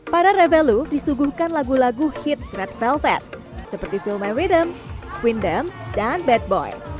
para revoluv disuguhkan lagu lagu hit red velvet seperti feel my rhythm windem dan bad boy